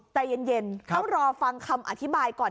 แต่เย็นเขารอฟังคำอธิบายก่อน